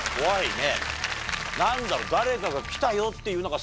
ね